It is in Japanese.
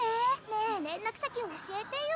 ねえ連絡先教えてよ。